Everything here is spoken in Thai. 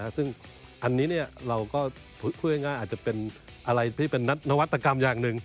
ซึ่งอันนี้เนี่ยเราก็เพื่อยังง่ายอาจจะเป็นอะไรที่เป็นนัตนวัตกรรมอย่างหนึ่ง